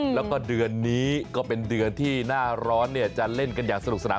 แล้วก็เดือนนี้ก็เป็นเดือนที่หน้าร้อนจะเล่นกันอย่างสนุกสนาน